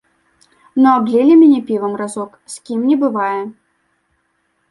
Ну, аблілі мяне півам разок, з кім не бывае.